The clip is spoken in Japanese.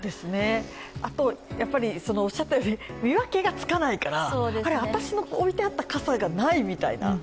あと、見分けがつかないから私の置いてあった傘がないみたいな。